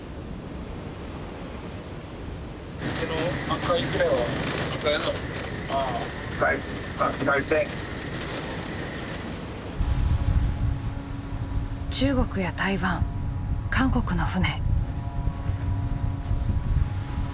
あっちの中国や台湾韓国の船。